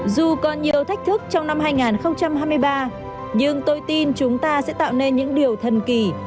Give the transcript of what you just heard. dù còn nhiều thách thức trong năm hai nghìn hai mươi ba nhưng tôi tin chúng ta sẽ tạo nên những điều thần kỳ